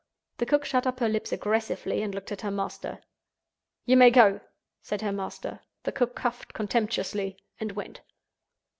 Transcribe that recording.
The cook shut up her lips aggressively and looked at her master. "You may go!" said her master. The cook coughed contemptuously, and went.